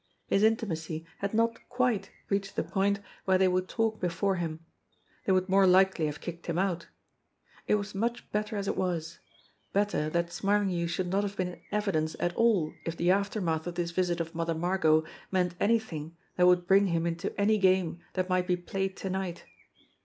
His intimacy had not quite reached the point where they would talk before him. They would more likely have kicked him out. It was much better as it was ; better that Smarlinghue should not have been in evidence at all if the aftermath of this visit of Mother Margot meant anything that would bring him into any game that might be played to night.